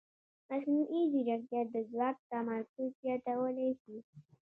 مصنوعي ځیرکتیا د ځواک تمرکز زیاتولی شي.